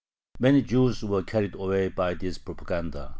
Many Jews were carried away by this propaganda.